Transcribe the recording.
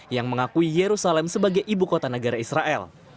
yang mengakui yerusalem sebagai ibu kota negara israel